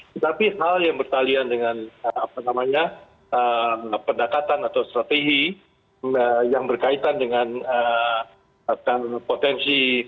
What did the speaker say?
tetapi hal yang bertalian dengan pendekatan atau strategi yang berkaitan dengan potensi